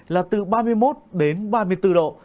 là từ ba mươi một ba mươi bốn độ